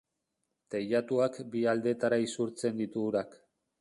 Teilatuak bi aldetara isurtzen ditu urak.